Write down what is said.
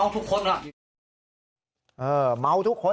ทุกคนเมาท์ทุกคน